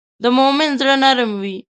د مؤمن زړه نرم وي.